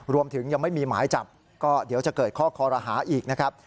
ยังไม่มีหมายจับก็เดี๋ยวจะเกิดข้อคอรหาอีกนะครับ